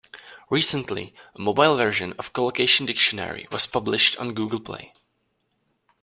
Recently, a mobile version of Collocation Dictionary was published on Google Play.